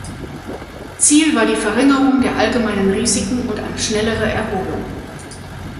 Ziel war die Verringerung der allgemeinen Risiken und eine schnellere Erholung.